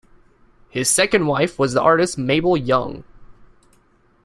His second wife was the artist Mabel Young.